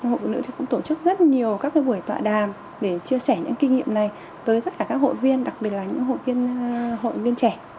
hội phụ nữ cũng tổ chức rất nhiều các buổi tọa đàm để chia sẻ những kinh nghiệm này tới tất cả các hội viên đặc biệt là những hội viên hội viên trẻ